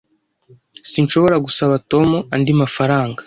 Sinshobora gusaba Tom andi mafaranga.